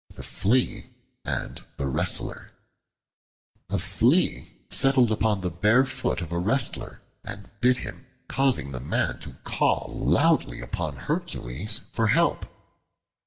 The Flea and the Wrestler A FLEA settled upon the bare foot of a Wrestler and bit him, causing the man to call loudly upon Hercules for help.